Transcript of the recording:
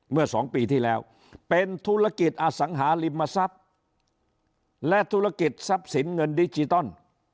เมื่อสองปีที่แล้วเป็นธุรกิจอสังหาริมทรัพย์และธุรกิจทรัพย์สินเงินดิจิตอล